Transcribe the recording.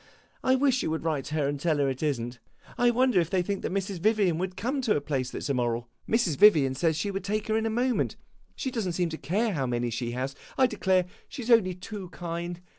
I wish you would write to her and tell her it is n't. I wonder if they think that Mrs. Vivian would come to a place that 's immoral. Mrs. Vivian says she would take her in a moment; she does n't seem to care how many she has. I declare, she 's only too kind.